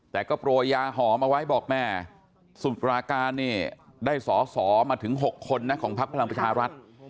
แต่ก็โปรยยาหอมเอาไว้บอกแม่สุดปราการเนี่ยได้สอสอมาถึง๖คนนะของพักพลังประชารัฐ